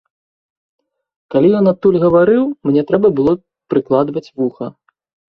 Калі ён адтуль гаварыў, мне трэба было прыкладваць вуха.